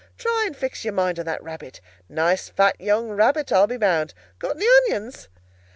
"Try and fix your mind on that rabbit. A nice fat young rabbit, I'll be bound. Got any onions?"